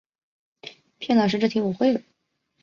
骗老师这题我会了